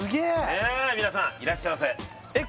ねえ皆さんいらっしゃいませえっ